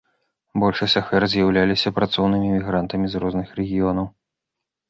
Большасць ахвяр з'яўляліся працоўнымі мігрантамі з розных рэгіёнаў.